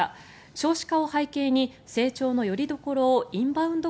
少子化を背景に成長のよりどころをインバウンド